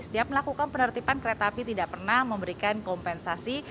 setiap melakukan penertiban kereta api tidak pernah memberikan kompensasi